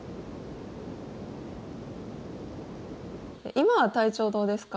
今は体調どうですか？